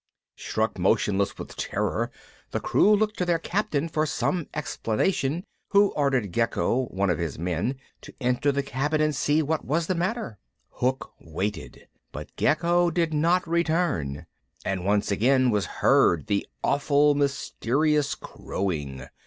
Struck motionless with terror, the crew looked to their Captain for some explanation, who ordered Gecco, one of his men, to enter the cabin and see what was the matter. Hook waited, but Gecco did not return, and once again was heard the awful mysterious crowing.